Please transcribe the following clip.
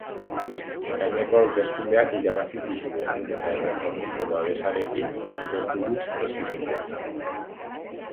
Ekaineko hauteskundeak irabazi zituen, eta erreformisten babesarekin, lortu du presidentetza.